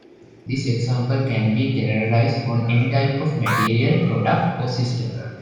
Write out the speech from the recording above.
This example can be generalized on any type of material, product, or system.